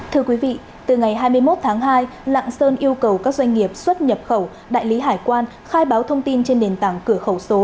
thưa quý vị từ ngày hai mươi một tháng hai lạng sơn yêu cầu các doanh nghiệp xuất nhập khẩu đại lý hải quan khai báo thông tin trên nền tảng cửa khẩu số